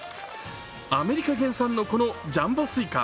アメリカ原産のこのジャンボスイカ。